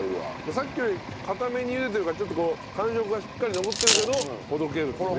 さっきより固めに茹でてるからちょっとこう感触はしっかり残ってるけどほどけるっていうね。